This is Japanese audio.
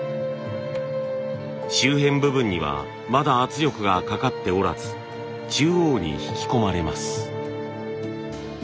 周辺部分にはまだ圧力がかかっておらず中央に引き込まれます。